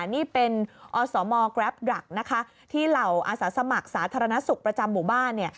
นี่เป็นอสมกรัปดรักที่เหล่าอสสมัครสาธารณสุขประจำหมู่บ้าน